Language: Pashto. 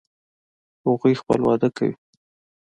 هغوی خپل واده کوي